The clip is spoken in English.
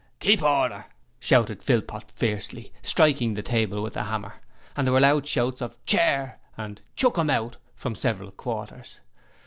'Keep horder,' shouted Philpot, fiercely, striking the table with the hammer, and there were loud shouts of 'Chair' and 'Chuck 'im out,' from several quarters.